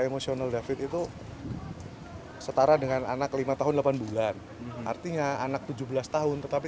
emosional david itu setara dengan anak lima tahun delapan bulan artinya anak tujuh belas tahun tetapi